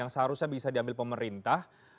seharusnya bisa diambil pemerintah